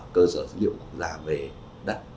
cơ sở dữ liệu quốc gia về đất